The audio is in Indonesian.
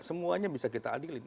semuanya bisa kita adilin